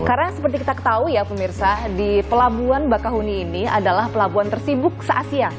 karena seperti kita ketahui ya pemirsa di pelabuhan bakahuni ini adalah pelabuhan tersibuk se asia